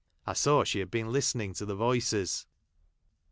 I saw she had been listening to the voices.